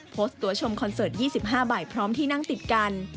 โพสต์ตัวชมคอนเสิร์ต๒๕ใบพร้อมที่นั่งติดกัน